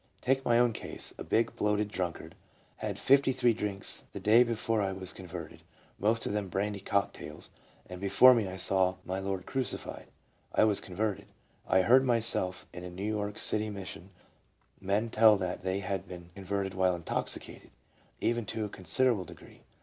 Take my own case, — a big, bloated drunkard, had fifty three drinks the day before I was con verted, most of them brandy cocktails, and before me I saw my Lord crucified ; I was converted." 1 I heard myself in a New York City Mission men tell that they had been con verted while intoxicated, even to a considerable degree.